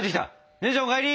姉ちゃんお帰り！